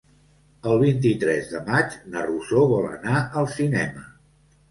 El vint-i-tres de maig na Rosó vol anar al cinema.